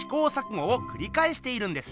ごをくりかえしているんです。